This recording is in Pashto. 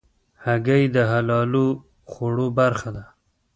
هګۍ د حلالو خوړو برخه ده.